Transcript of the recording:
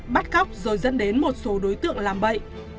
bắt cóc rồi dẫn đến một số đối tượng làm bậy